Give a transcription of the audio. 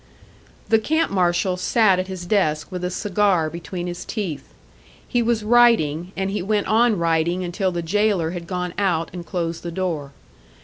The camp marshal sat at his desk with a cigar between his teeth. He was writing, and he went on writing until the jailer had gone out and closed the door.